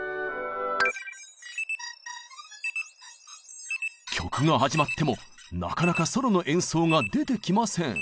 曲が始まってもなかなかソロの演奏が出てきません。